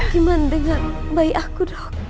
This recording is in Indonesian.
gimana dengan bayi aku